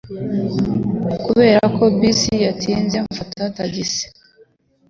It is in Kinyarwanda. Kubera ko bisi yatinze, mfata tagisi.